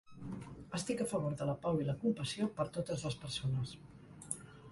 Estic a favor de la pau i la compassió per totes les persones.